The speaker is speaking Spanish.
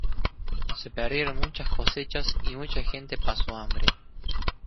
Se perdieron muchas cosechas y mucha gente pasó hambre.